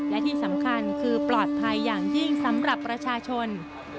และที่สำคัญคือปลอดภัยอย่างยิ่งสำหรับประชาชน